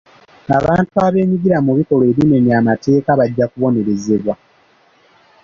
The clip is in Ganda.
Abantu abeenyigira mu bikolwa ebimenya amateeka bajja kubonerezebwa.